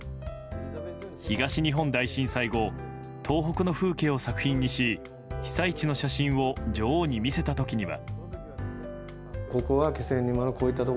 東日本大震災後東北の風景を作品にし被災地の写真を女王に見せた時には。